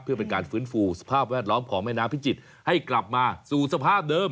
เพื่อเป็นการฟื้นฟูสภาพแวดล้อมของแม่น้ำพิจิตรให้กลับมาสู่สภาพเดิม